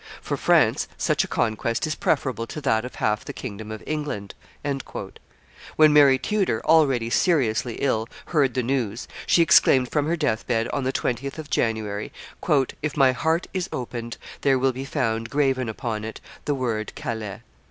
For France such a conquest is preferable to that of half the kingdom of England." When Mary Tudor, already seriously ill, heard the news, she exclaimed from her deathbed, on the 20th of January, "If my heart is opened, there will be found graven upon it the word Calais."